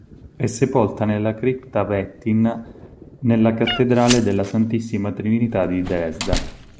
È sepolta nella Cripta Wettin nella Cattedrale della Santissima Trinità di Dresda.